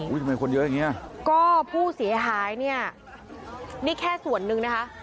ทำไมคนเยอะอย่างเงี้ยก็ผู้เสียหายเนี่ยนี่แค่ส่วนหนึ่งนะคะ